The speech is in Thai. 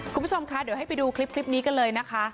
คุณผู้ชมคะเดี๋ยวให้ไปดูคลิปนี้กันเลยนะคะ